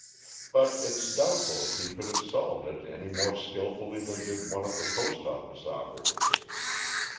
But it's doubtful if he could have solved it any more skillfully than did one of the Post Office operatives."